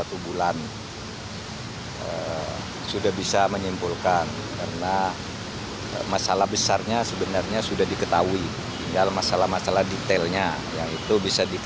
tg ipf diisi oleh berbagai kalangan dari akademisi pengamat jurnalis mantan pengurus pbsi